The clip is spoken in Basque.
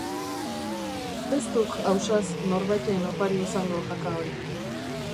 Ez duk, ausaz, norbaiten opari izango jaka hori?